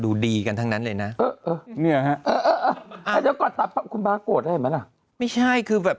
ดูดีกันทั้งนั้นเลยนะมันก็จะพาพุ่ก็ได้มาแล้วไม่ใช่คือแบบ